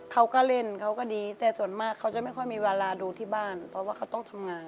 เขาก็เล่นเขาก็ดีแต่ส่วนมากเขาจะไม่ค่อยมีเวลาดูที่บ้านเพราะว่าเขาต้องทำงาน